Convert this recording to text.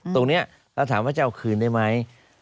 ตรงนี้เราถามว่าจะเอาคืนได้ไหม